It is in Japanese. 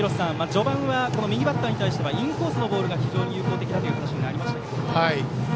序盤は右バッターに対してはインコースのボールが非常に有効的だという話がありましたけれども。